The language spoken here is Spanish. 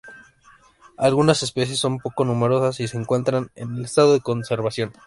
Algunas especies son poco numerosas y se encuentran en estado de conservación.